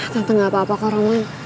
tante gak apa apa kau roman